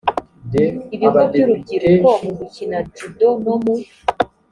ibigo by urubyiruko mu gukina judo no mu